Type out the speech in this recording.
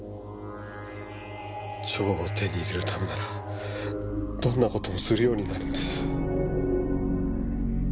蝶を手に入れるためならどんなこともするようになるんです。